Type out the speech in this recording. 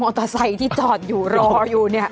เตอร์ไซค์ที่จอดอยู่รออยู่เนี่ย